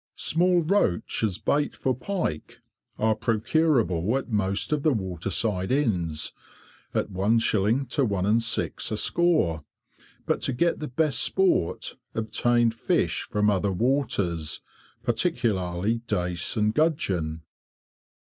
Small roach as bait for pike, are procurable at most of the waterside inns, at 1s. to 1s. 6d. a score, but to get the best sport obtain fish from other waters, particularly dace and gudgeon.